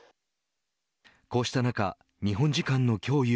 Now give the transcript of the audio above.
こうした中日本時間の今日